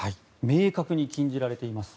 明確に禁じられています。